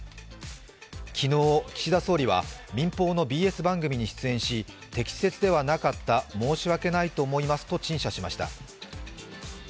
昨日、岸田総理は民放のＢＳ番組に出演し、適切ではなかった、申し訳ないと思いますと陳謝しました。